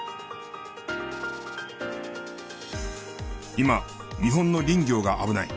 今日本の林業が危ない。